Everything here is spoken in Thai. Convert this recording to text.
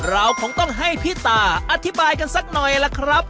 เราคงต้องให้พี่ตาอธิบายกันสักหน่อยล่ะครับ